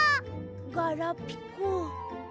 ガラピコ。